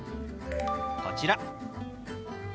こちら。